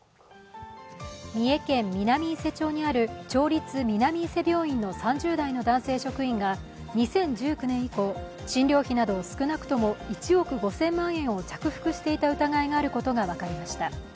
三重県南伊勢町にある町立南伊勢病院の３０代の男性職員が２０１９年以降、診療費など少なくとも１億５０００万円を着服していた疑いがあることが分かりました。